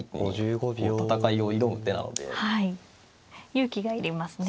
勇気がいりますね。